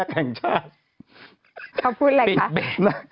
เขาพูดอะไรฮะ